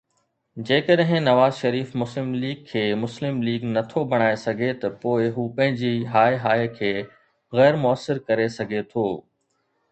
جيڪڏهن نواز شريف مسلم ليگ کي مسلم ليگ نه ٿو بڻائي سگهي ته پوءِ هو پنهنجي ”هاءِ هاءِ“ کي غير موثر ڪري سگهي ٿو.